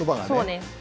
そうです。